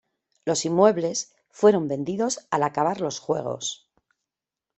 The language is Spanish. Los inmuebles fueron vendidos al acabar los juegos.